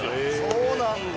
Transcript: そうなんだ。